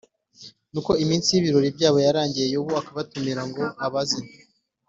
nuko iminsi y’ibirori byabo yarangira yobu akabatumira ngo abeze